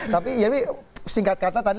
tapi singkat kata tadi